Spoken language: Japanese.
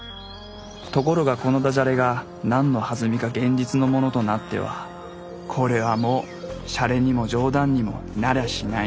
ところがこのダジャレが何のはずみか現実のものとなってはこれはもうシャレにも冗談にもなりゃしない。